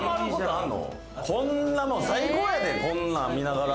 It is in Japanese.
こんなもん最高やで、こんなん見ながら。